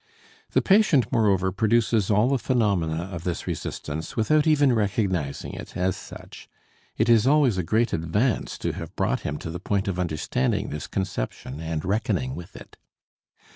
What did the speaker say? The patient, moreover, produces all the phenomena of this resistance without even recognizing it as such; it is always a great advance to have brought him to the point of understanding this conception and reckoning with it.